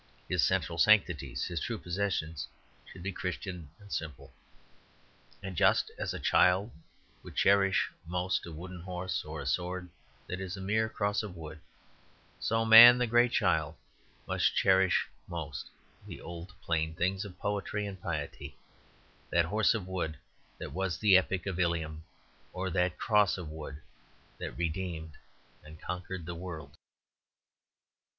His central sanctities, his true possessions, should be Christian and simple. And just as a child would cherish most a wooden horse or a sword that is a mere cross of wood, so man, the great child, must cherish most the old plain things of poetry and piety; that horse of wood that was the epic end of Ilium, or that cross of wood that redeemed and conquered the world.